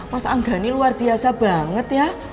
mas angga ini luar biasa banget ya